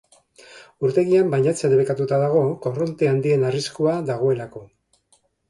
Urtegian bainatzea debekatuta dago korronte handien arriskua dagoelako.